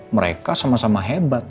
mereka sama sama hebat